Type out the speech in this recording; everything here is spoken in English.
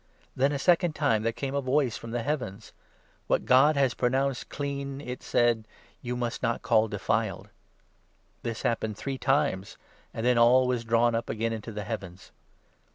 Then a second time there came a voice 9 from the heavens. "What God has pronounced 'clean'," it said, "you must not call 'defiled'." This happened three 10 times, and then all was drawn up again into the heavens.